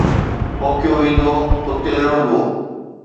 پوکيو ويندو، اتي لڻبو.